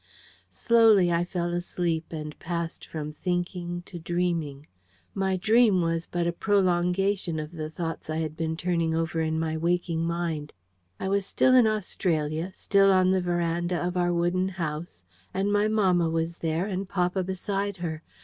Slowly I fell asleep, and passed from thinking to dreaming. My dream was but a prolongation of the thoughts I had been turning over in my waking mind. I was still in Australia; still on the verandah of our wooden house; and my mamma was there, and papa beside her.